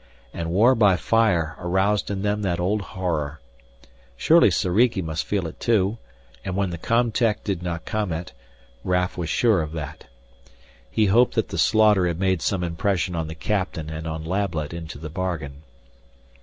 And war by fire aroused in them that old horror. Surely Soriki must feel it too, and when the com tech did not comment, Raf was sure of that. He hoped that the slaughter had made some impression on the captain and on Lablet into the bargain.